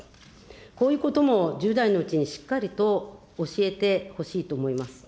こういうことも１０代のうちにしっかりと教えてほしいと思います。